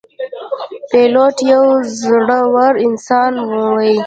پیلوټ یو زړهور انسان وي.